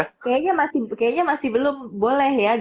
kayaknya masih belum boleh ya